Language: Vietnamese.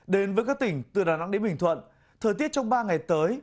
đến với các tỉnh từ đà nẵng đến bình thuận thời tiết trong ba ngày tới